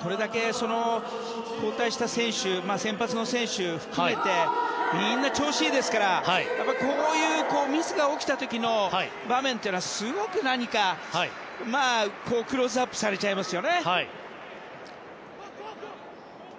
これだけ交代した選手先発の選手含めてみんな調子がいいですからこういうミスが起きた時の場面はすごく何かクローズアップされちゃいますよね。